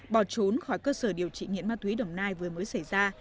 bỏ trốn khỏi cơ sở điều trị nghiện ma túy đồng nai vừa mới xảy ra